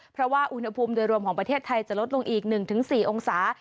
เพราะว่าอุณหภูมิโดยรวมของประเทศไทยจะลดลงอีก๑๔องศา